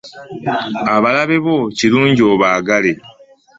Abalabe bo kirungi obaagale.